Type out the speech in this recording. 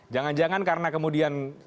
jangan jangan karena kemudian